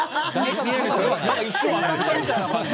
一瞬当たったみたいな感じ。